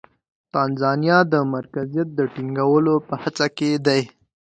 تانزانیا د مرکزیت د ټینګولو په هڅه کې دی.